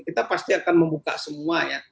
kita pasti akan membuka semuanya